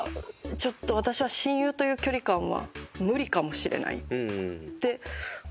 ちょっと私は親友という距離感は無理かもしれないって思ってから。